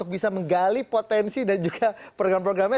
oke kita harus fokus di anti korupsi